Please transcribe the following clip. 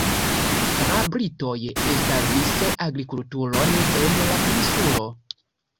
La britoj establis agrikulturon en la insulo.